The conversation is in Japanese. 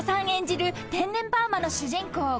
演じる天然パーマの主人公